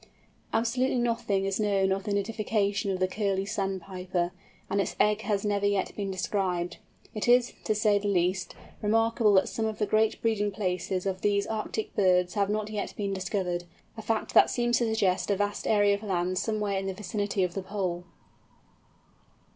Absolutely nothing is known of the nidification of the Curlew Sandpiper, and its egg has never yet been described. It is, to say the least, remarkable that some of the great breeding places of these Arctic birds have not yet been discovered—a fact that seems to suggest a vast area of land somewhere in the vicinity of the Pole.